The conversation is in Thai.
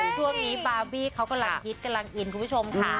ช่วงนี้บาร์บี้เขากำลังฮิตกำลังอินคุณผู้ชมค่ะ